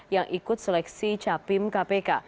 yang ikut seleksi capim kpk